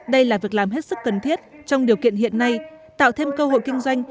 đây là việc làm hết sức cần thiết trong điều kiện hiện nay tạo thêm cơ hội kinh doanh